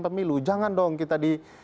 pemilu jangan dong kita di